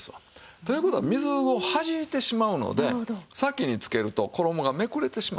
っていう事は水をはじいてしまうので先につけると衣がめくれてしまう。